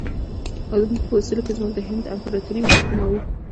موږ په اصولو کې زموږ د هند امپراطوري محکوموو.